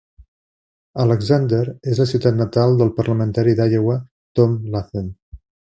Alexander és la ciutat natal del parlamentari d'Iowa Tom Latham.